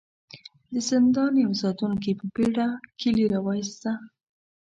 د زندان يوه ساتونکي په بېړه کيلې را وايسته.